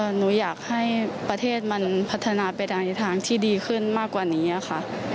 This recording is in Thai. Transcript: หนูอยากให้ประเทศมันพัฒนาไปในทางที่ดีขึ้นมากกว่านี้ค่ะ